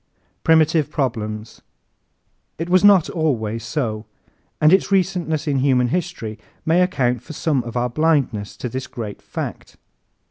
Primitive Problems ¶ It was not always so. And its recentness in human history may account for some of our blindness to this great fact.